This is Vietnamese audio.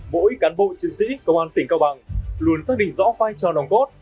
mỗi cán bộ chiến sĩ công an tỉnh cao bằng luôn xác định rõ vai trò nòng cốt